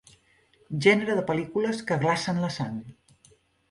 Gènere de pel·lícules que glacen la sang.